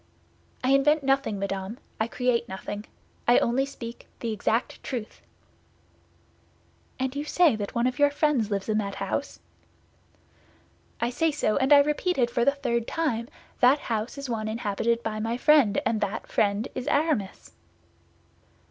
"I invent nothing, madame; I create nothing. I only speak that exact truth." "And you say that one of your friends lives in that house?" "I say so, and I repeat it for the third time; that house is one inhabited by my friend, and that friend is Aramis."